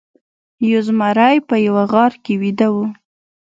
یو زمری په یوه غار کې ویده و.